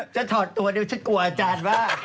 ฉันถอดตัวนิดเดียวฉันกลัวอาจารย์ว่า